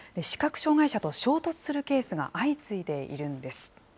視覚障害者と衝突するケースが相次いでいるんです。